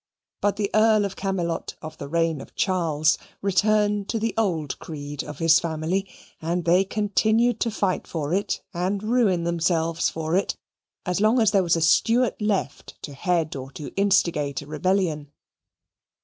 But the Earl of Camelot, of the reign of Charles, returned to the old creed of his family, and they continued to fight for it, and ruin themselves for it, as long as there was a Stuart left to head or to instigate a rebellion.